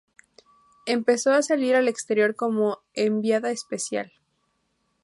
Empezó a salir al exterior como enviada especial.